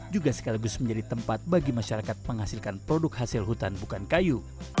juga sekaligus menjadi tempat bagi masyarakat menghasilkan produk hasil hutan bukan kayu